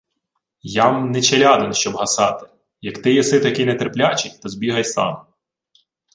— Я-м не челядин, щоб гасати. Як ти єси такий нетерплячий, то збігай сам.